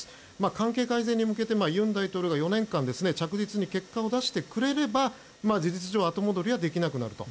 関係改善に向けて尹大統領が４年間着実に結果を出してくれれば事実上後戻りはできなくなると。